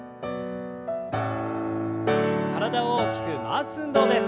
体を大きく回す運動です。